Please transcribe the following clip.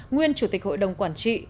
nguyên chủ tịch hội đồng quản trị